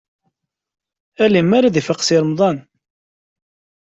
I lemmer ad ifaq Si Remḍan?